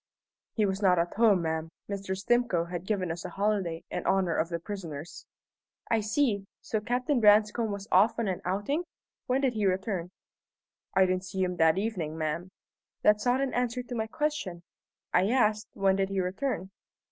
"He was not at home, ma'am. Mr. Stimcoe had given us a holiday in honour of the prisoners." "I see. So Captain Branscome was off on an outing? When did he return?" "I didn't see him that evening, ma'am." "That's not an answer to my question. I asked, When did he return?"